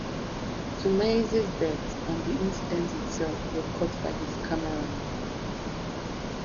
Tumeizi's death and the incident itself were caught by his cameraman.